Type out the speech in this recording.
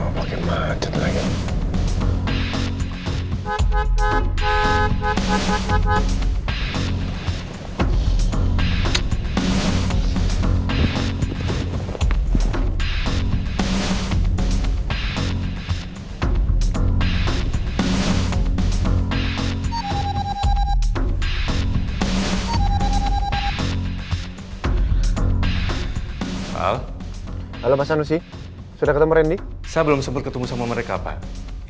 bu rosa sih baik banget sama aku